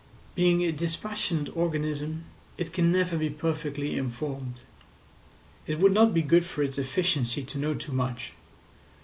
Being a dispassionate organism, it can never be perfectly informed. It would not be good for its efficiency to know too much.